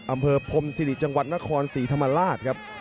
อำเภอพรมศิริจังหวัดนครศรีธรรมราชครับ